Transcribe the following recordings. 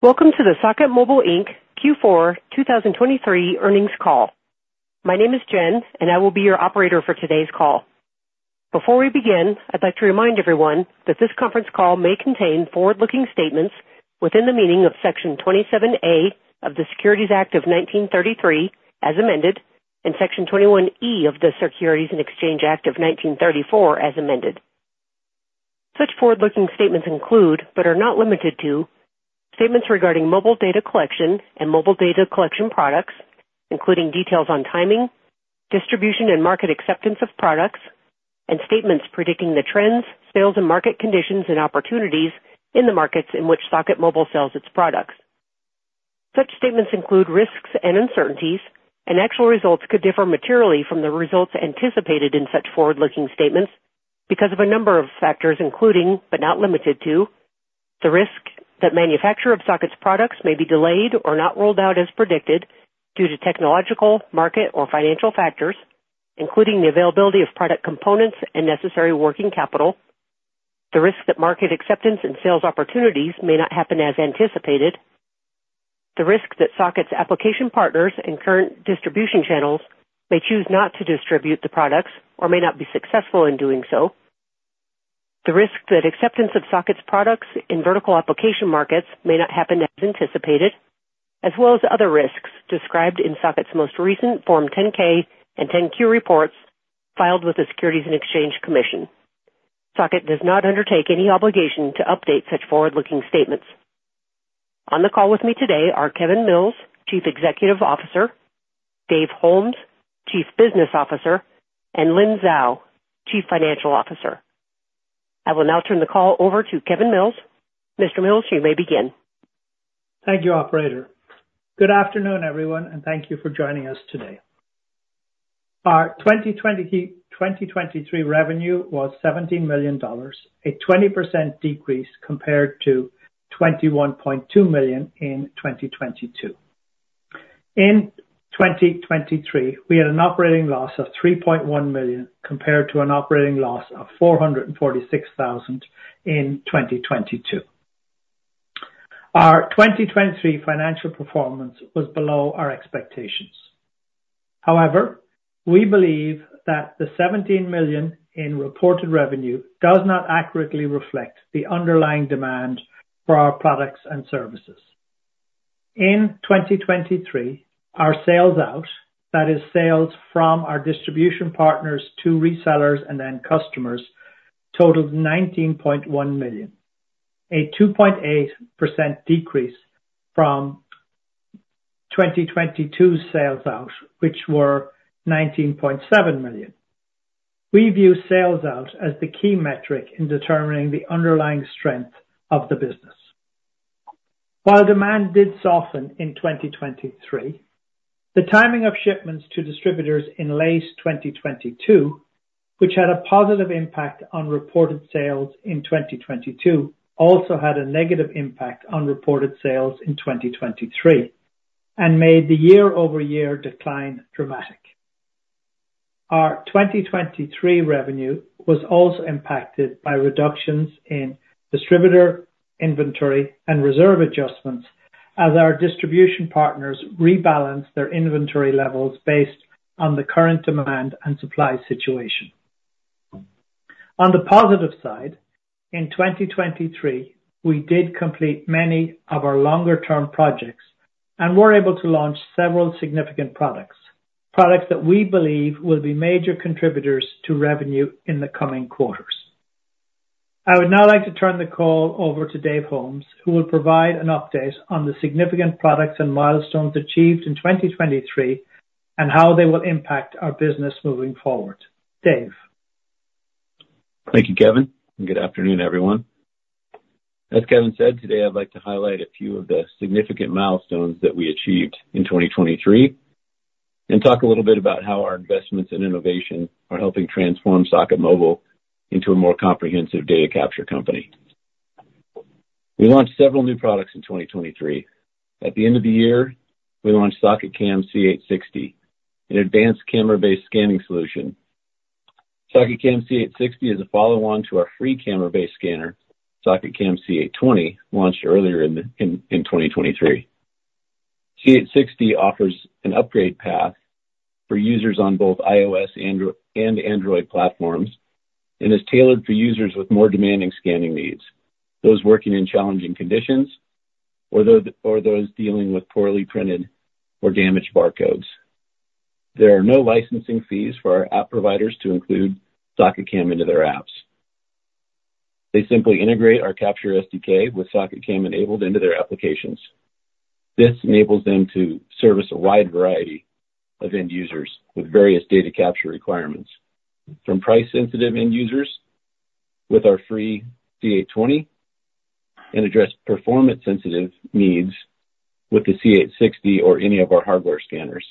Welcome to the Socket Mobile Inc. Q4 2023 earnings call. My name is Jen, and I will be your operator for today's call. Before we begin, I'd like to remind everyone that this conference call may contain forward-looking statements within the meaning of Section 27A of the Securities Act of 1933 as amended and Section 21E of the Securities and Exchange Act of 1934 as amended. Such forward-looking statements include, but are not limited to, statements regarding mobile data collection and mobile data collection products, including details on timing, distribution, and market acceptance of products, and statements predicting the trends, sales, and market conditions and opportunities in the markets in which Socket Mobile sells its products. Such statements include risks and uncertainties, and actual results could differ materially from the results anticipated in such forward-looking statements because of a number of factors including, but not limited to, the risk that manufacture of Socket's products may be delayed or not rolled out as predicted due to technological, market, or financial factors, including the availability of product components and necessary working capital, the risk that market acceptance and sales opportunities may not happen as anticipated, the risk that Socket's application partners and current distribution channels may choose not to distribute the products or may not be successful in doing so, the risk that acceptance of Socket's products in vertical application markets may not happen as anticipated, as well as other risks described in Socket's most recent Form 10-K and 10-Q reports filed with the Securities and Exchange Commission. Socket does not undertake any obligation to update such forward-looking statements. On the call with me today are Kevin Mills, Chief Executive Officer, Dave Holmes, Chief Business Officer, and Lynn Zhao, Chief Financial Officer. I will now turn the call over to Kevin Mills. Mr. Mills, you may begin. Thank you, Operator. Good afternoon, everyone, and thank you for joining us today. Our 2023 revenue was $17 million, a 20% decrease compared to $21.2 million in 2022. In 2023, we had an operating loss of $3.1 million compared to an operating loss of $446,000 in 2022. Our 2023 financial performance was below our expectations. However, we believe that the $17 million in reported revenue does not accurately reflect the underlying demand for our products and services. In 2023, our sales out, that is, sales from our distribution partners to resellers and then customers, totaled $19.1 million, a 2.8% decrease from 2022's sales out, which were $19.7 million. We view sales out as the key metric in determining the underlying strength of the business. While demand did soften in 2023, the timing of shipments to distributors in late 2022, which had a positive impact on reported sales in 2022, also had a negative impact on reported sales in 2023 and made the year-over-year decline dramatic. Our 2023 revenue was also impacted by reductions in distributor inventory and reserve adjustments as our distribution partners rebalanced their inventory levels based on the current demand and supply situation. On the positive side, in 2023, we did complete many of our longer-term projects and were able to launch several significant products, products that we believe will be major contributors to revenue in the coming quarters. I would now like to turn the call over to Dave Holmes, who will provide an update on the significant products and milestones achieved in 2023 and how they will impact our business moving forward. Dave. Thank you, Kevin, and good afternoon, everyone. As Kevin said, today I'd like to highlight a few of the significant milestones that we achieved in 2023 and talk a little bit about how our investments in innovation are helping transform Socket Mobile into a more comprehensive data capture company. We launched several new products in 2023. At the end of the year, we launched SocketCam C860, an advanced camera-based scanning solution. SocketCam C860 is a follow-on to our free camera-based scanner, SocketCam C820, launched earlier in 2023. C860 offers an upgrade path for users on both iOS and Android platforms and is tailored for users with more demanding scanning needs, those working in challenging conditions, or those dealing with poorly printed or damaged barcodes. There are no licensing fees for our app providers to include SocketCam into their apps. They simply integrate our Capture SDK with SocketCam enabled into their applications. This enables them to service a wide variety of end users with various data capture requirements, from price-sensitive end users with our free C820 and address performance-sensitive needs with the C860 or any of our hardware scanners.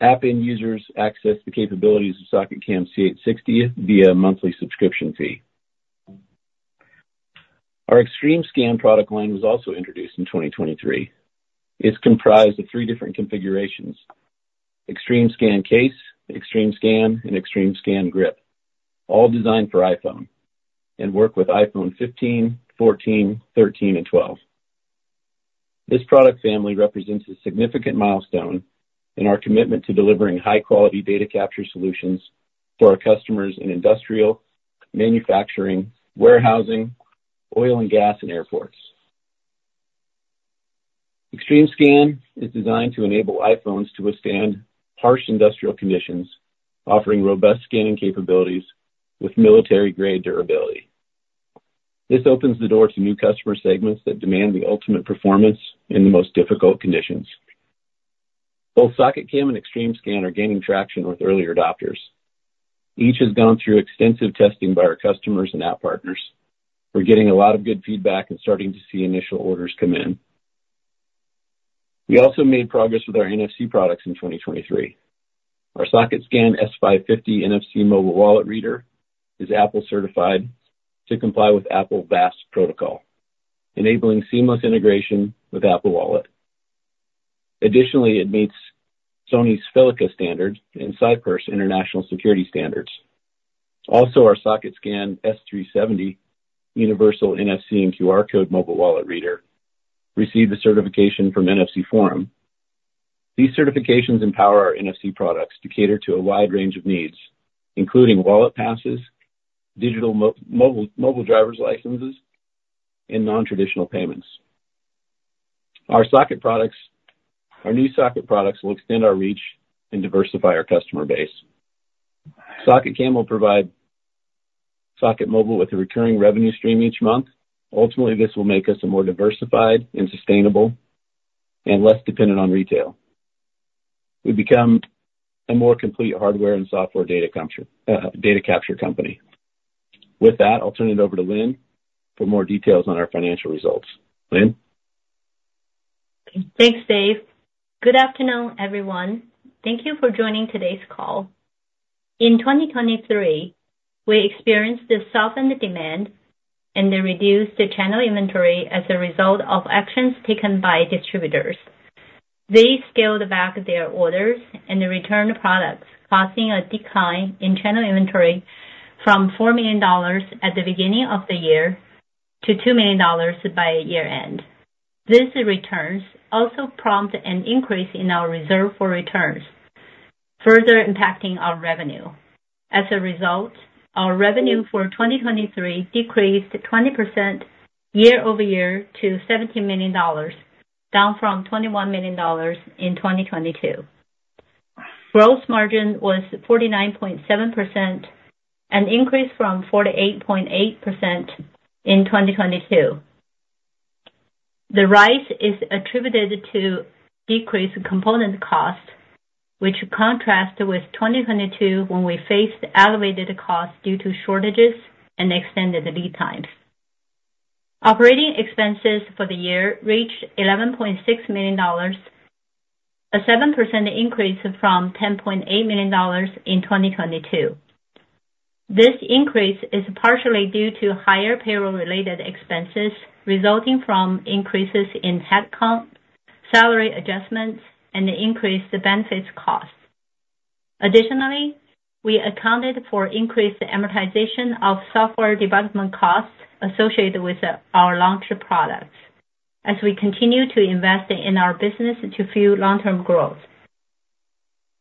App end users access the capabilities of SocketCam C860 via a monthly subscription fee. Our XtremeScan product line was also introduced in 2023. It's comprised of three different configurations: XtremeScan Case, XtremeScan, and XtremeScan Grip, all designed for iPhone and work with iPhone 15, 14, 13, and 12. This product family represents a significant milestone in our commitment to delivering high-quality data capture solutions for our customers in industrial, manufacturing, warehousing, oil and gas, and airports. XtremeScan is designed to enable iPhones to withstand harsh industrial conditions, offering robust scanning capabilities with military-grade durability. This opens the door to new customer segments that demand the ultimate performance in the most difficult conditions. Both SocketCam and XtremeScan are gaining traction with early adopters. Each has gone through extensive testing by our customers and app partners. We're getting a lot of good feedback and starting to see initial orders come in. We also made progress with our NFC products in 2023. Our SocketScan S550 NFC mobile wallet reader is Apple-certified to comply with Apple VAS protocol, enabling seamless integration with Apple Wallet. Additionally, it meets Sony's FeliCa standard and CIPURSE international security standards. Also, our SocketScan S370 universal NFC and QR code mobile wallet reader received a certification from NFC Forum. These certifications empower our NFC products to cater to a wide range of needs, including wallet passes, digital mobile driver's licenses, and non-traditional payments. Our new Socket products will extend our reach and diversify our customer base. SocketCam will provide Socket Mobile with a recurring revenue stream each month. Ultimately, this will make us a more diversified and sustainable and less dependent on retail. We become a more complete hardware and software data capture company. With that, I'll turn it over to Lynn for more details on our financial results. Lynn? Thanks, Dave. Good afternoon, everyone. Thank you for joining today's call. In 2023, we experienced a softened demand and a reduced channel inventory as a result of actions taken by distributors. They scaled back their orders and returned products, causing a decline in channel inventory from $4 million at the beginning of the year to $2 million by year-end. These returns also prompted an increase in our reserve for returns, further impacting our revenue. As a result, our revenue for 2023 decreased 20% year-over-year to $17 million, down from $21 million in 2022. Gross margin was 49.7%, an increase from 48.8% in 2022. The rise is attributed to decreased component costs, which contrast with 2022 when we faced elevated costs due to shortages and extended lead times. Operating expenses for the year reached $11.6 million, a 7% increase from $10.8 million in 2022. This increase is partially due to higher payroll-related expenses resulting from increases in headcount, salary adjustments, and increased benefits costs. Additionally, we accounted for increased amortization of software development costs associated with our launch products as we continue to invest in our business to fuel long-term growth.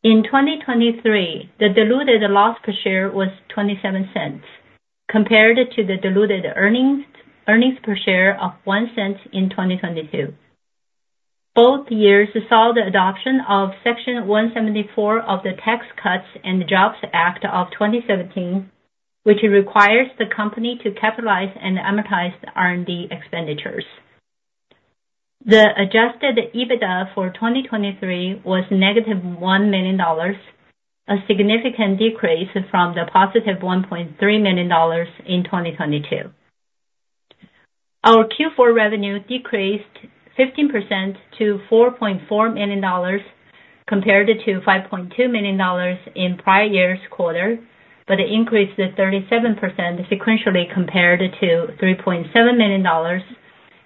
In 2023, the diluted loss per share was 0.27 cents compared to the diluted earnings per share of 0.01 cents in 2022. Both years saw the adoption of Section 174 of the Tax Cuts and Jobs Act of 2017, which requires the company to capitalize and amortize R&D expenditures. The Adjusted EBITDA for 2023 was -$1 million, a significant decrease from the positive $1.3 million in 2022. Our Q4 revenue decreased 15% to $4.4 million compared to $5.2 million in prior year's quarter, but increased 37% sequentially compared to $3.7 million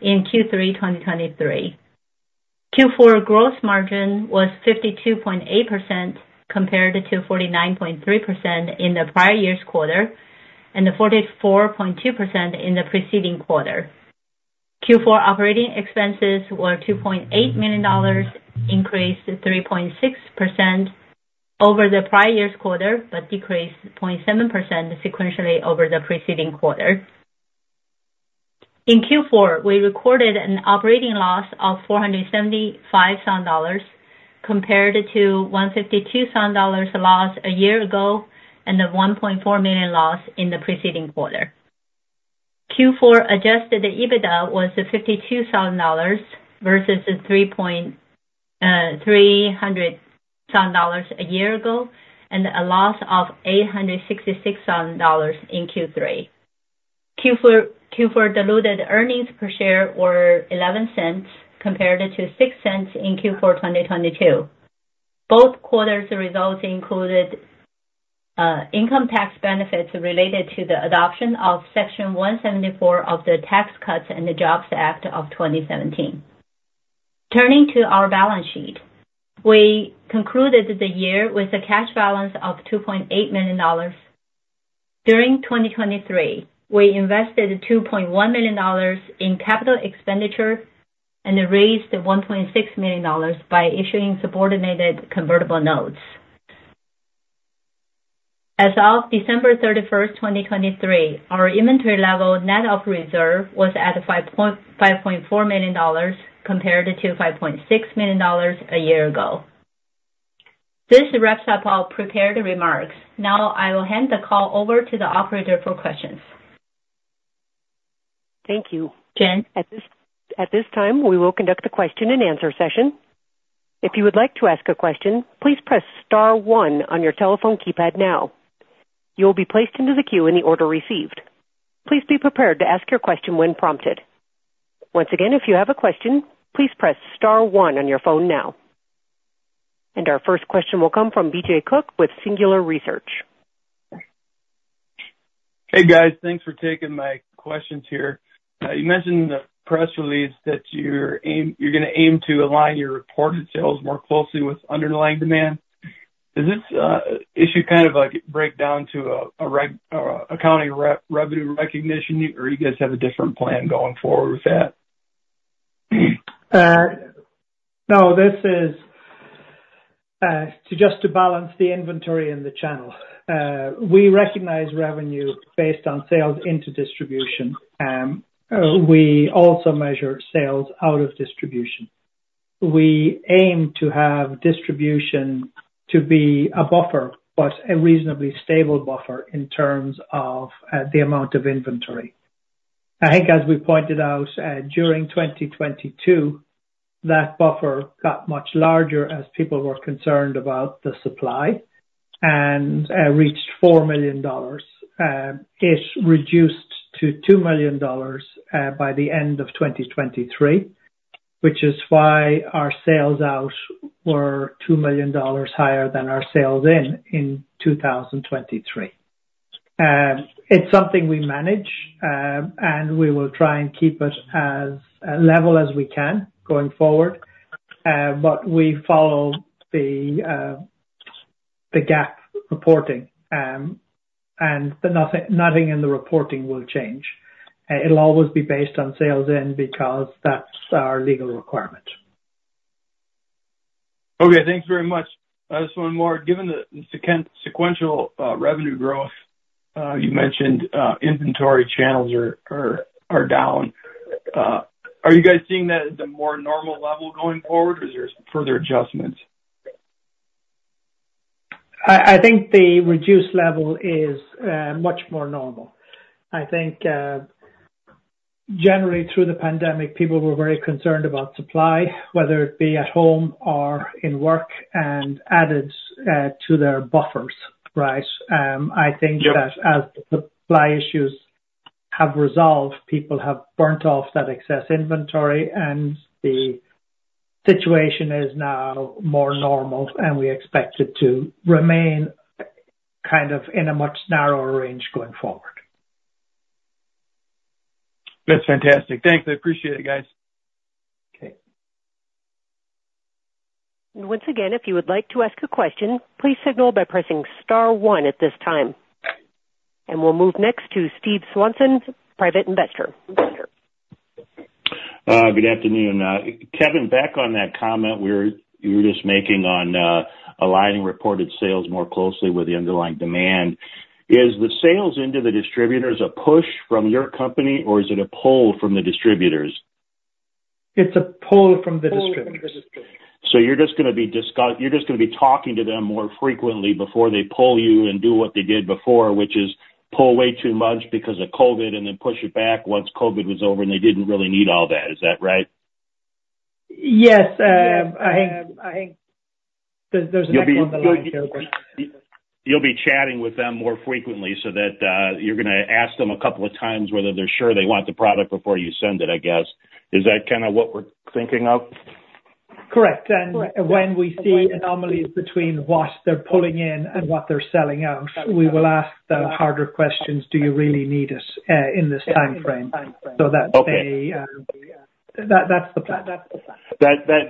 in Q3 2023. Q4 gross margin was 52.8% compared to 49.3% in the prior year's quarter and 44.2% in the preceding quarter. Q4 operating expenses were $2.8 million, increased 3.6% over the prior year's quarter but decreased 0.7% sequentially over the preceding quarter. In Q4, we recorded an operating loss of $475,000 compared to $152,000 loss a year ago and the $1.4 million loss in the preceding quarter. Q4 Adjusted EBITDA was $52,000 versus $300,000 a year ago and a loss of $866,000 in Q3. Q4 diluted earnings per share were $0.11 compared to $0.06 in Q4 2022. Both quarters' results included income tax benefits related to the adoption of Section 174 of the Tax Cuts and Jobs Act of 2017. Turning to our balance sheet, we concluded the year with a cash balance of $2.8 million. During 2023, we invested $2.1 million in capital expenditure and raised $1.6 million by issuing subordinated convertible notes. As of December 31, 2023, our inventory level net of reserve was at $5.4 million compared to $5.6 million a year ago. This wraps up our prepared remarks. Now I will hand the call over to the operator for questions. Thank you. At this time, we will conduct a question-and-answer session. If you would like to ask a question, please press star one on your telephone keypad now. You will be placed into the queue in the order received. Please be prepared to ask your question when prompted. Once again, if you have a question, please press star 1 on your phone now. And our first question will come from B.J. Cook with Singular Research. Hey, guys. Thanks for taking my questions here. You mentioned in the press release that you're going to aim to align your reported sales more closely with underlying demand. Does this issue kind of break down to accounting revenue recognition, or do you guys have a different plan going forward with that? No, this is just to balance the inventory and the channel. We recognize revenue based on sales into distribution. We also measure sales out of distribution. We aim to have distribution to be a buffer, but a reasonably stable buffer in terms of the amount of inventory. I think, as we pointed out during 2022, that buffer got much larger as people were concerned about the supply and reached $4 million. It reduced to $2 million by the end of 2023, which is why our sales out were $2 million higher than our sales in in 2023. It's something we manage, and we will try and keep it as level as we can going forward. But we follow the GAAP reporting, and nothing in the reporting will change. It'll always be based on sales in because that's our legal requirement. Okay. Thanks very much. Just one more. Given the sequential revenue growth you mentioned, inventory channels are down. Are you guys seeing that as a more normal level going forward, or is there further adjustments? I think the reduced level is much more normal. I think, generally, through the pandemic, people were very concerned about supply, whether it be at home or in work, and added to their buffers, right? I think that as the supply issues have resolved, people have burnt off that excess inventory, and the situation is now more normal, and we expect it to remain kind of in a much narrower range going forward. That's fantastic. Thanks. I appreciate it, guys. Okay. Once again, if you would like to ask a question, please signal by pressing star 1 at this time. We'll move next to Steve Swanson, private investor. Good afternoon. Kevin, back on that comment you were just making on aligning reported sales more closely with the underlying demand. Is the sales into the distributors a push from your company, or is it a pull from the distributors? It's a pull from the distributors. So you're just going to be talking to them more frequently before they pull you and do what they did before, which is pull way too much because of COVID and then push it back once COVID was over and they didn't really need all that. Is that right? Yes. I think there's an upper limit on the line. You'll be chatting with them more frequently so that you're going to ask them a couple of times whether they're sure they want the product before you send it, I guess. Is that kind of what we're thinking of? Correct. When we see anomalies between what they're pulling in and what they're selling out, we will ask the harder questions, "Do you really need us in this timeframe?" That's the plan. That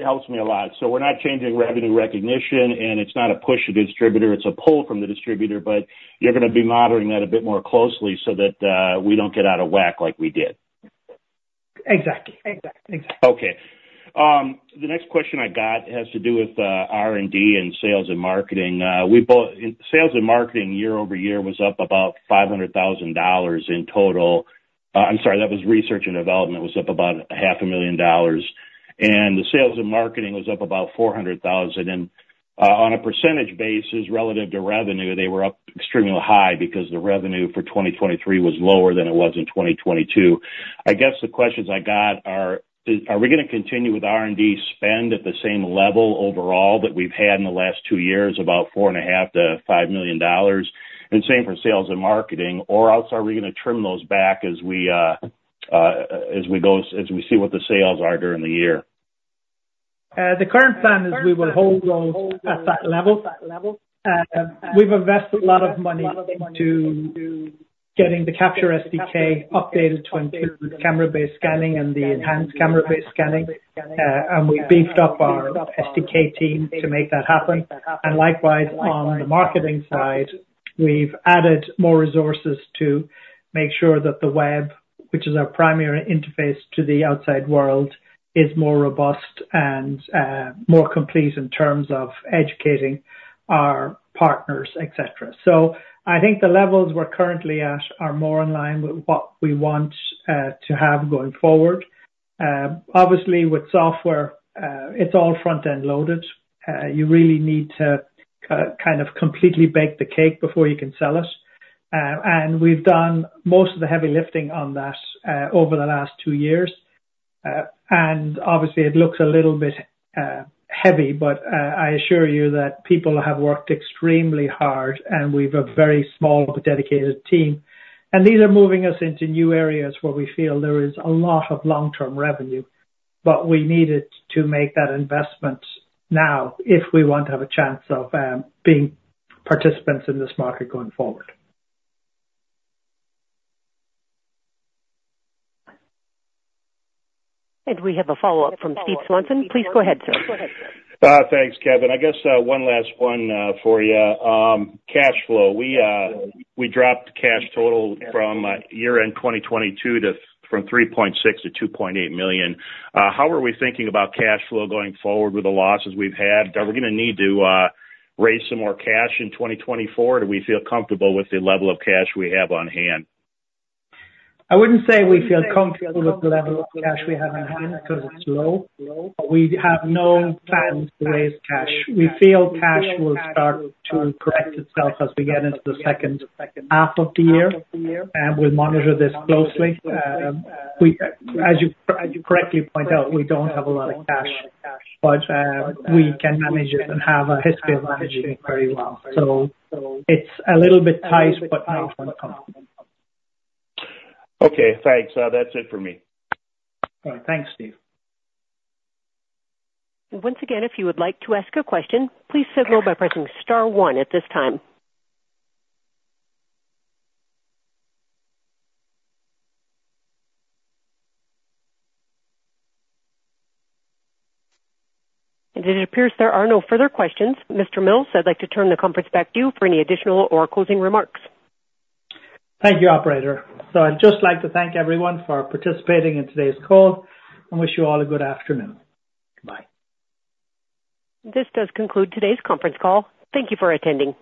helps me a lot. So we're not changing revenue recognition, and it's not a push to distributor. It's a pull from the distributor, but you're going to be monitoring that a bit more closely so that we don't get out of whack like we did. Exactly. Exactly. Exactly. Okay. The next question I got has to do with R&D and sales and marketing. Sales and marketing, year-over-year, was up about $500,000 in total. I'm sorry. That was research and development. It was up about $500,000. And the sales and marketing was up about $400,000. And on a percentage basis, relative to revenue, they were up extremely high because the revenue for 2023 was lower than it was in 2022. I guess the questions I got are, are we going to continue with R&D spend at the same level overall that we've had in the last two years, about $4.5 million-$5 million? And same for sales and marketing. Or else are we going to trim those back as we go as we see what the sales are during the year? The current plan is we will hold those at that level. We've invested a lot of money into getting the Capture SDK updated to include camera-based scanning and the enhanced camera-based scanning. We beefed up our SDK team to make that happen. Likewise, on the marketing side, we've added more resources to make sure that the web, which is our primary interface to the outside world, is more robust and more complete in terms of educating our partners, etc. So I think the levels we're currently at are more in line with what we want to have going forward. Obviously, with software, it's all front-end loaded. You really need to kind of completely bake the cake before you can sell it. We've done most of the heavy lifting on that over the last two years. Obviously, it looks a little bit heavy, but I assure you that people have worked extremely hard, and we've a very small but dedicated team. These are moving us into new areas where we feel there is a lot of long-term revenue, but we need it to make that investment now if we want to have a chance of being participants in this market going forward. We have a follow-up from Steve Swanson. Please go ahead, sir. Thanks, Kevin. I guess one last one for you. Cash flow. We dropped cash total from year-end 2022 from $3.6 million to $2.8 million. How are we thinking about cash flow going forward with the losses we've had? Are we going to need to raise some more cash in 2024, or do we feel comfortable with the level of cash we have on hand? I wouldn't say we feel comfortable with the level of cash we have on hand because it's low. We have no plans to raise cash. We feel cash will start to correct itself as we get into the second half of the year, and we'll monitor this closely. As you correctly point out, we don't have a lot of cash, but we can manage it and have a history of managing it very well. So it's a little bit tight, but not uncomfortable. Okay. Thanks. That's it for me. All right. Thanks, Steve. Once again, if you would like to ask a question, please signal by pressing star one at this time. It appears there are no further questions. Mr. Mills, I'd like to turn the conference back to you for any additional or closing remarks. Thank you, operator. I'd just like to thank everyone for participating in today's call and wish you all a good afternoon. Bye. This does conclude today's conference call. Thank you for attending.